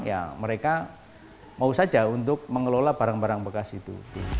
ya mereka mau saja untuk mengelola barang barang bekas itu